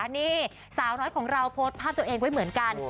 นี่สาวน้อยของเราโพสต์ภาพตัวเองไว้เหมือนกัน